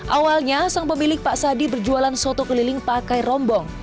awalnya sang pemilik pak sadi berjualan soto keliling pakai rombong